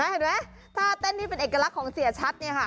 เห็นไหมถ้าเต้นที่เป็นเอกลักษณ์ของเสียชัดเนี่ยค่ะ